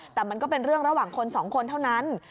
แต่มันก็เป็นเรื่องระหว่างคนสองคนเท่านั้น